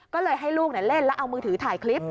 ก็เลยให้ลูกเล่นแล้วเอามือถือถ่ายคลิป